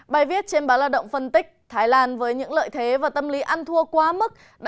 bài viết trên báo lao động phân tích thái lan với những lợi thế và tâm lý ăn thua quá mức